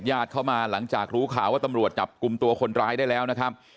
เข้ามาหลังจากรู้ข่าวว่าตำรวจจับกลุ่มตัวคนร้ายได้แล้วนะครับ